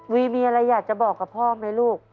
วีมีอะไรอยากจะบอกกับพ่อไหมลูก